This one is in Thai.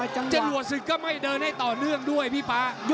จะรวดซึกก็ไม่เดินต่อเลืองด้วยพี่ป่า